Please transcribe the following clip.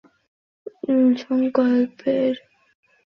দেশের কাজ লইয়া নিজের কাজ নষ্ট করা তাহার সংকল্পের মধ্যে ছিল না।